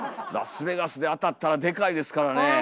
ラスベガスで当たったらでかいですからね。